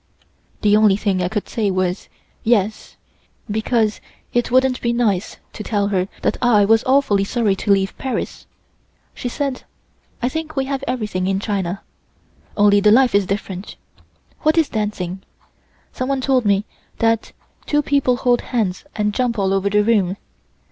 The only thing I could say was "Yes," because it wouldn't be nice to tell her that I was awfully sorry to leave Paris. She said: "I think we have everything in China, only the life is different. What is dancing? Someone told me that two people hold hands and jump all over the room.